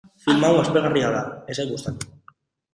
Film hau aspergarria da, ez zait gustatu.